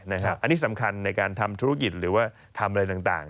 อันนี้สำคัญในการทำธุรกิจหรือว่าทำอะไรต่าง